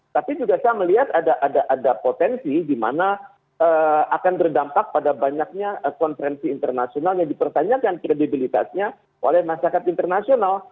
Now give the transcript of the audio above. tapi juga saya melihat ada potensi di mana akan berdampak pada banyaknya konferensi internasional yang dipertanyakan kredibilitasnya oleh masyarakat internasional